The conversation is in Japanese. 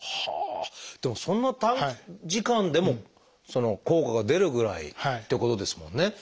でもそんな短時間でも効果が出るぐらいってことですもんね。